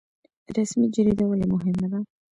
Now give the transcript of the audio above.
رسمي جریده ولې مهمه ده؟